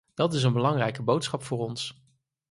Dat is een belangrijke boodschap voor ons.